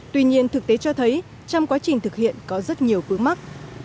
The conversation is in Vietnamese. tuy nhiên thực tế cho thấy trong quá trình thực hiện có rất nhiều bước mắc